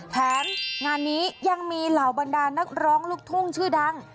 แถมงานนี้ยังมีเหล่าบรรดานักร้องลูกทุ่งชื่อดัง